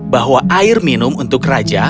bahwa air minum untuk raja